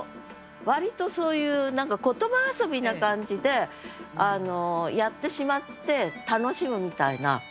割とそういう何か言葉遊びな感じでやってしまって楽しむみたいな。